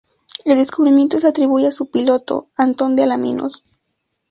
El descubrimiento se atribuye a su piloto, Antón de Alaminos.